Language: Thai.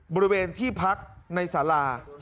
บริเวณที่พักในสารา